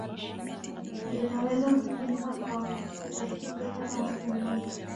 Linaweza kufanyika kwa kutahiri hata mtu mmoja